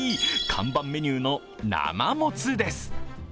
看板メニューの生モツです。